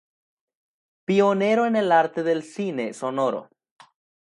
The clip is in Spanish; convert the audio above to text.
Pionero en el arte del cine sonoro.